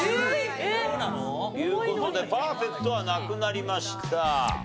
という事でパーフェクトはなくなりました。